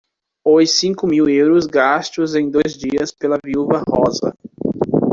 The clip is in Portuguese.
Os cinco mil euros gastos em dois dias pela viúva Rosa.